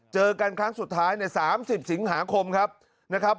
เจอกันครั้งสุดท้ายใน๓๐สิงหาคมครับนะครับ